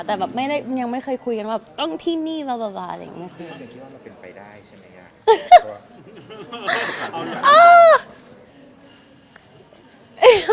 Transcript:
แต่ยังไม่เคยคุยกันต้องที่นี่อะไรอย่างนี้ค่ะ